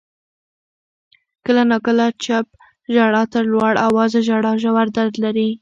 • کله ناکله چپ ژړا تر لوړ آوازه ژړا ژور درد لري.